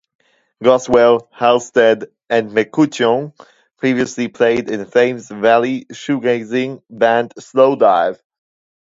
Goswell, Halstead and McCutcheon previously played in Thames Valley shoegazing band Slowdive.